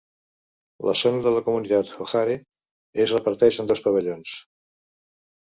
La zona de la comunitat O'Hare es reparteix en dos pavellons.